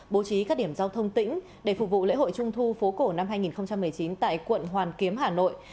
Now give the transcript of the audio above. bố trí các điểm giao thông tỉnh để phục vụ lễ hội trung thu phố cổ năm hai nghìn một mươi chín tại quận hoàn kiếm hà nội